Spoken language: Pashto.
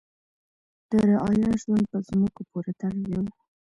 د رعایا ژوند په ځمکو پورې تړلی و.